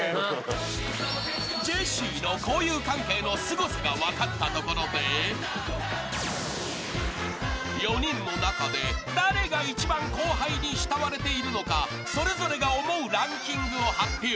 ［ジェシーの交友関係のすごさが分かったところで４人の中で誰が一番後輩に慕われているのかそれぞれが思うランキングを発表］